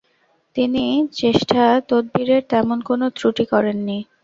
তিনি চেষ্টা তদবিরের তেমন কোনো ত্রুটি করেন নি।